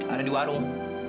ada di warung